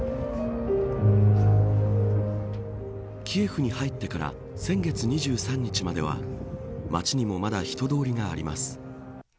キエフに入ってから先月２３日までは街にもまだ人通りがあります。